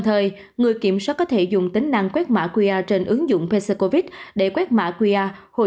thời người kiểm soát có thể dùng tính năng quét mã qr trên ứng dụng pescovite để quét mã qr hồi